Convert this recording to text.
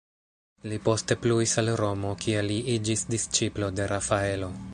Li poste pluis al Romo, kie li iĝis disĉiplo de Rafaelo.